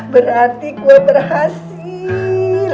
berarti gue berhasil